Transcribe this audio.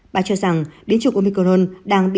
bà cho rằng biến chủng omicron đang bị